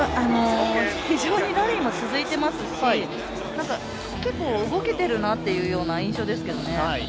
非常にラリーも続いていますし、結構動けてるなっていうような印象ですけどね。